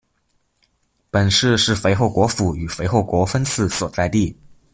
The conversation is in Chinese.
本市是肥后国府与肥后国分寺所在地。